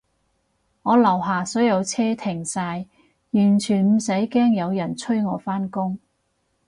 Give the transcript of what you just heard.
我樓下所有車停晒，完全唔使驚有人催我返工